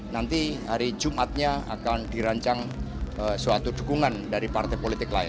nanti hari jumatnya akan dirancang suatu dukungan dari partai politik lain